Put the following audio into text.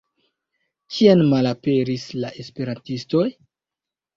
Kien malaperis la esperantistoj?